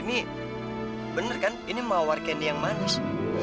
ini bener kan ini mawar kendi yang manis